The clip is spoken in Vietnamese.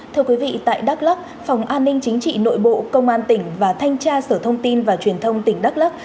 thưa quý vị tại đắk lắc phòng an ninh chính trị nội bộ công an tỉnh và thanh tra sở thông tin và truyền thông tỉnh đắk lắc